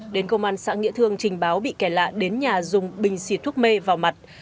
đến công an xã nghĩa thương trình báo bị kẻ lạ đến nhà dùng bình xịt thuốc mê vào mặt